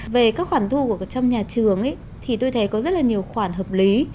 về các khoản thu trong nhà trường thì tôi thấy có rất là nhiều khoản hợp lý